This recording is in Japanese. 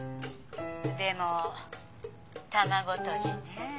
でも卵とじねえ。